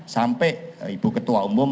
sampai ibu ketua umum